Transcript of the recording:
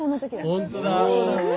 本当だ。